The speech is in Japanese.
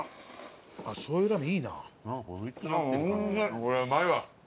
これうまいわ。